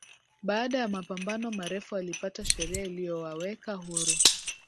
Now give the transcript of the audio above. Baada ya mapambano marefu walipata sheria iliyowaweka huru